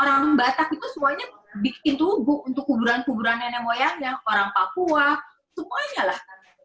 orang batak itu semuanya bikin tugu untuk kuburan kuburan nenek moyangnya orang papua semuanya lah